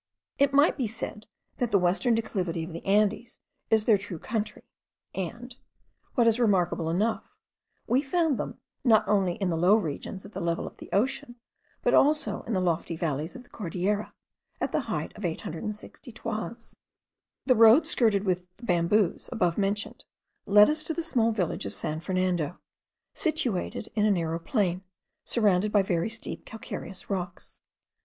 It might be said that the western declivity of the Andes is their true country; and, what is remarkable enough, we found them not only in the low regions at the level of the ocean, but also in the lofty valleys of the Cordilleras, at the height of 860 toises. The road skirted with the bamboos above mentioned led us to the small village of San Fernando, situated in a narrow plain, surrounded by very steep calcareous rocks.